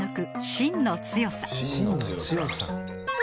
「芯の強さ」